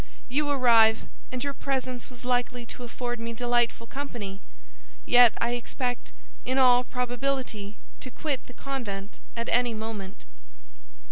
You arrive, and your presence was likely to afford me delightful company; yet I expect, in all probability, to quit the convent at any moment."